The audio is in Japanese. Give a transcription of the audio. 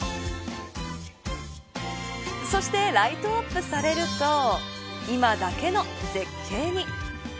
そして、ライトアップされると今だけの絶景に。